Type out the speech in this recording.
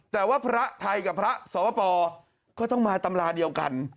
แต่ว่าพระไทยกับพระสวปก็ต้องมาตำราเดียวกัน